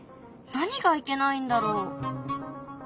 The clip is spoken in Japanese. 何がいけないんだろう？